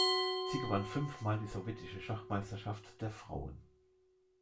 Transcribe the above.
Sie gewann fünf Mal die Sowjetische Schachmeisterschaft der Frauen.